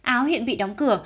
áo hiện bị đóng cửa